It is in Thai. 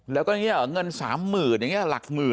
แล้วก็เงิน๓๐๐๐๐อย่างนี้หรือหลัก๑๐๐๐๐อย่างนี้หรือ